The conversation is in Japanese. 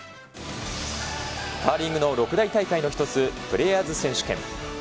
カーリングの６大大会の一つ、プレーヤーズ選手権。